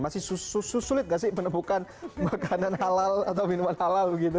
masih sulit gak sih menemukan makanan halal atau minuman halal begitu